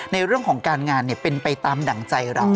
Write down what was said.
ในเรื่องของการงานเป็นไปตามดั่งใจเรา